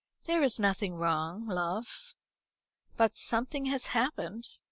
"There is nothing wrong, love. But something has happened.